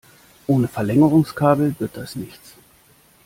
Ohne Verlängerungskabel wird das nichts.